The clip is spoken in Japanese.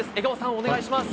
お願いします。